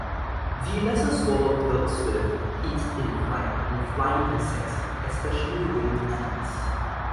The lesser swallow-tailed swift feeds in flight on flying insects, especially winged ants.